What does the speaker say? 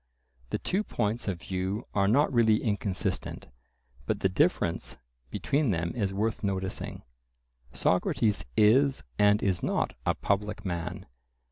The two points of view are not really inconsistent, but the difference between them is worth noticing: Socrates is and is not a public man.